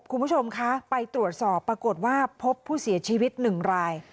คุณผู้ชมคะไปตรวจสอบปรากฏว่าพบผู้เสียชีวิตหนึ่งราย